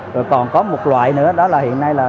rồi còn có một loại nữa đó là hiện nay là